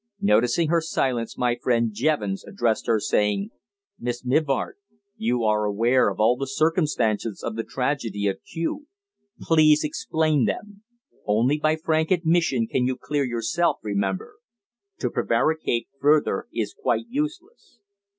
Noticing her silence, my friend Jevons addressed her, saying: "Miss Mivart, you are aware of all the circumstances of the tragedy at Kew. Please explain them. Only by frank admission can you clear yourself, remember. To prevaricate further is quite useless."